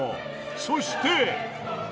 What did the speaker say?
そして。